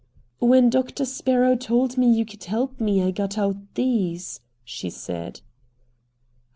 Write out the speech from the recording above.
"When Doctor Sparrow told me you could help me I got out these," she said.